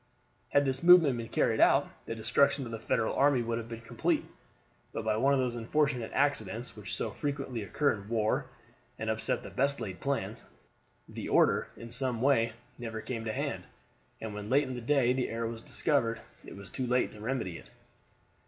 Had this movement been carried out, the destruction of the Federal army would have been complete; but by one of those unfortunate accidents which so frequently occur in war and upset the best laid plans, the order in some way never came to hand, and when late in the day the error was discovered it was too late to remedy it.